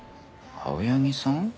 青柳さん？